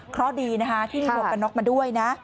เคราะดีที่นี่มองกันน็อกมาด้วย